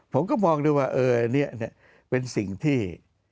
ผมก็มองดูว่าเออเนี่ยเป็นสิ่งที่